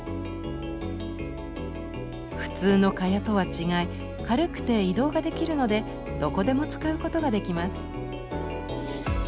普通の蚊帳とは違い軽くて移動ができるのでどこでも使うことができます。